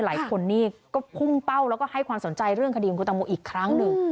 หลายคนนี่ก็พุ่งเป้าแล้วก็ให้ความสนใจเรื่องคดีของคุณตังโมอีกครั้งหนึ่ง